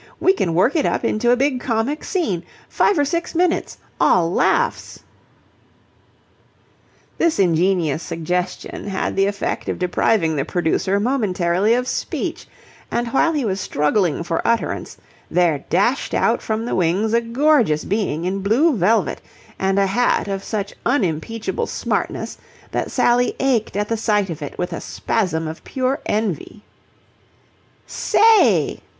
We can work it up into a big comic scene. Five or six minutes, all laughs." This ingenious suggestion had the effect of depriving the producer momentarily of speech, and while he was struggling for utterance, there dashed out from the wings a gorgeous being in blue velvet and a hat of such unimpeachable smartness that Sally ached at the sight of it with a spasm of pure envy. "Say!"